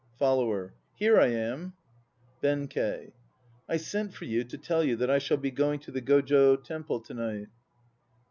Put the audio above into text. FOLLOWER. Here I am. BENKEI. I sent for you to tell you that I shall be going to the Gojo Temple to night.